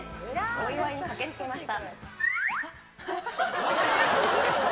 お祝いに駆けつけました。